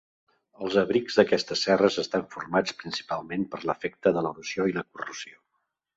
Els abrics d'aquestes serres estan formats principalment per l'efecte de l'erosió i la corrosió.